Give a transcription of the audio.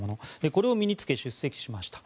これを身に着け、出席しました。